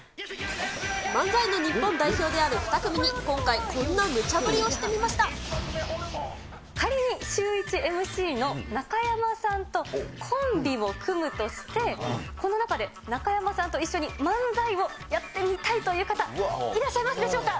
漫才の日本代表である２組に今回、こんなむちゃぶりをしてみ仮にシューイチＭＣの中山さんとコンビを組むとして、この中で中山さんと一緒に漫才をやってみたいという方、いらっしゃいますでしょうか？